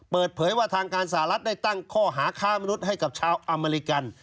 เปิดเผยว่าทางการสหรัฐได้ตั้งข้อหาค้ามนุษย์ให้กับชาวอเมริกัน